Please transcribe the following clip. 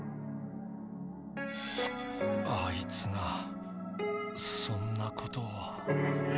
あいつがそんなことを。